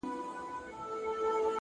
بلا وهلی يم- چي تا کوم بلا کومه-